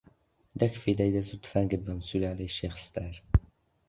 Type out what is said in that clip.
دەک فیدای دەست و تفەنگت بم سولالەی شێخ ستار